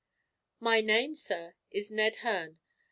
"My name, sir, is Ned Hearne.